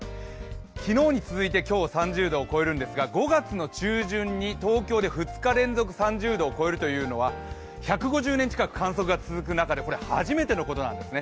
昨日に続いて、今日３０度を超えるんですが、５月の中旬に東京で２日連続３０度を超えるというのは１５０年近く観測が続く中で初めてのことなんですね。